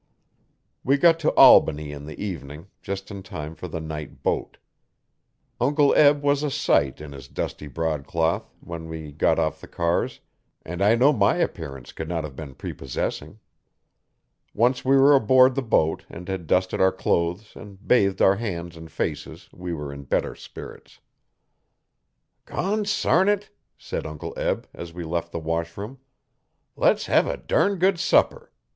We got to Albany in the evening, just in time for the night boat. Uncle Eb was a sight in his dusty broadcloth, when we got off the cars, and I know my appearance could not have been prepossessing. Once we were aboard the boat and had dusted our clothes and bathed our hands and faces we were in better spirits. 'Consarn it!' said Uncle Eb, as we left the washroom, 'le's have a durn good supper.